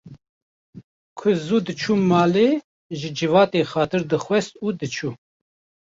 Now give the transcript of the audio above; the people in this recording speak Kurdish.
Ku zû diçû malê ji civatê xatir dixwest û diçû